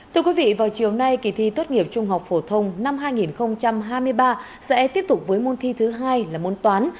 thưa quý vị vào chiều nay kỳ thi tốt nghiệp trung học phổ thông năm hai nghìn hai mươi ba sẽ tiếp tục với môn thi thứ hai là môn toán